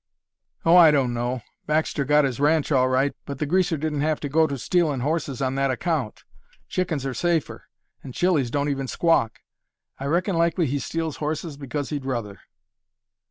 "Oh, I don't know! Baxter got his ranch all right, but the greaser didn't have to go to stealin' horses on that account. Chickens are safer; and chilis don't even squawk. I reckon likely he steals horses because he'd ruther."